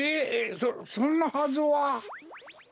そそんなはずは。